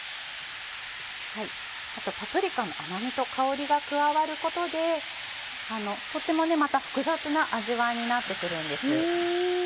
あとパプリカの甘味と香りが加わることでとっても複雑な味わいになって来るんです。